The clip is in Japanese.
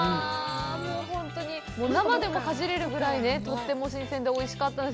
本当に生でもかじられるぐらい、とっても新鮮でおいしかったんです。